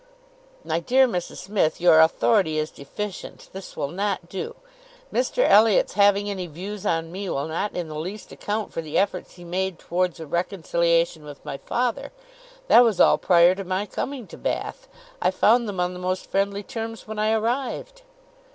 "My dear Mrs Smith, your authority is deficient. This will not do. Mr Elliot's having any views on me will not in the least account for the efforts he made towards a reconciliation with my father. That was all prior to my coming to Bath. I found them on the most friendly terms when I arrived."